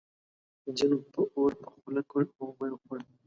ځینو به اور په خوله کړ او وبه یې خوړ.